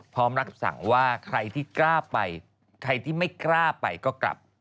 พร้อมรับสั่งว่าใครที่กล้าไปใครที่ไม่กล้าไปก็กลับ